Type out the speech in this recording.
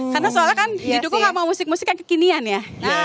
karena soalnya kan di dukung gak mau musik musik yang kekinian ya